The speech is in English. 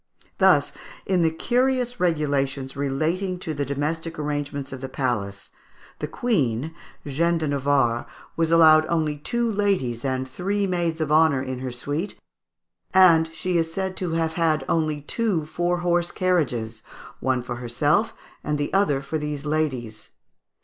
Thus, in the curious regulations relating to the domestic arrangements of the palace, the Queen, Jeanne de Navarre, was only allowed two ladies and three maids of honour in her suite, and she is said to have had only two four horse carriages, one for herself and the other for these ladies.